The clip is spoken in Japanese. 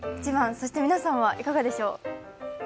そして皆さんはいかがでしょう。